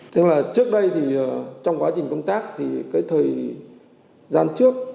thế là trước đây thì trong quá trình công tác thì cái thời gian trước